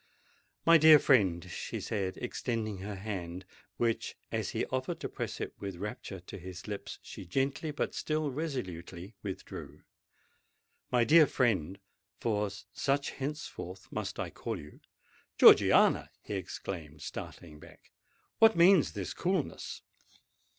"My dear friend," she said, extending her hand, which, as he offered to press it with rapture to his lips, she gently but still resolutely withdrew,—"my dear friend—for such henceforth must I call you——" "Georgiana!" he exclaimed, starting back: "what means this coolness?"